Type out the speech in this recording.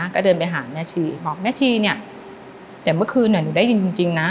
ก็เดินไปหาแม่ชีบอกแม่ชีเนี่ยแต่เมื่อคืนหนูได้ยินจริงนะ